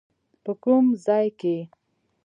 په کوم ځای کې؟